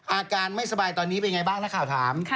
อาการไม่สบายตอนนี้เป็นไงบ้างนักข่าวถาม